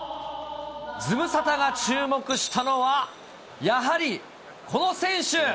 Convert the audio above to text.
ズムサタが注目したのは、やはりこの選手。